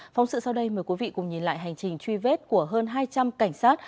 phóng sự sau đây mời quý vị cùng nhìn lại hành trình truy vết của hơn hai trăm linh cảnh sát